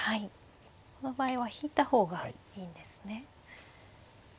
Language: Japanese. この場合は引いた方がいいんですね。